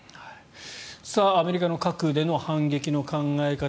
アメリカの核での反撃での考え方